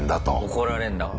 怒られんだこれ。